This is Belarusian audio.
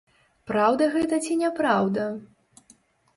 Праўда гэта ці няпраўда?